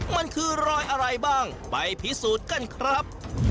มันคือรอยอะไรบ้างไปพิสูจน์กันครับ